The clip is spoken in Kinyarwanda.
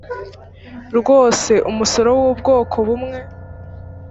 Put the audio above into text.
rwose umusoro w ubwoko bumwe